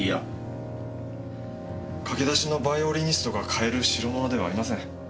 駆け出しのバイオリニストが買える代物ではありません。